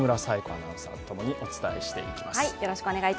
アナウンサーとともにお伝えしていきます。